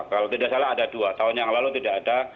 kalau tidak salah ada dua tahun yang lalu tidak ada